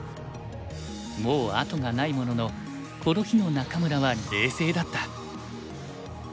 もう後がないもののこの日の仲邑は冷静だった。